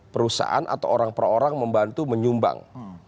perusahaan atau orang per orang membantu menyumbang